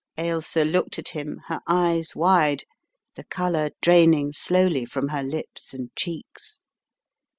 Ailsa looked at him, her eyes wide, the colour drain ing slowly from her lips and cheeks.